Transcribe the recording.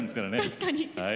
確かに。